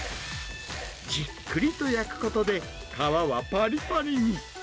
じっくりと焼くことで、皮はぱりぱりに。